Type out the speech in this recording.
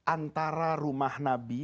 antara rumah nabi